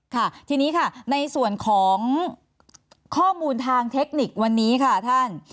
ค่ะทีนี้ค่ะในส่วนของข้อมูลทางเทคนิควันนี้ค่ะท่าน